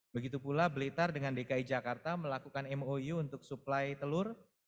begitu pula blitar dengan dki jakarta melakukan mou untuk suplai telur